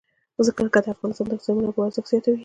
ځمکه د افغانستان د اقتصادي منابعو ارزښت زیاتوي.